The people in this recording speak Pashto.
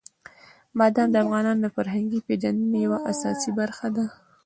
بادام د افغانانو د فرهنګي پیژندنې یوه اساسي برخه ده.